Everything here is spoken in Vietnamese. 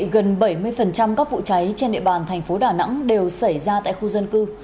gần bảy mươi các vụ cháy trên địa bàn thành phố đà nẵng đều xảy ra tại khu dân cư